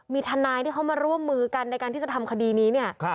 มีทนายที่เขามาร่วมมือกันในการที่จะทำคดีนี้เนี่ย